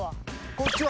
こっちは？